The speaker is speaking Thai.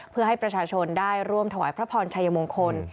เพื่อให้ประชาชนได้ร่วมถวายพระพรชัยมงคล